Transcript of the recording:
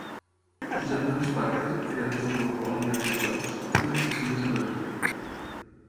Els germans Parker, creadors del Monopoly i altres jocs, tenen oficines a Beverly.